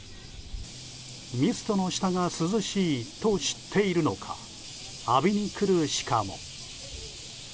ミストの下が涼しいと知っているのか浴びに来るシカも。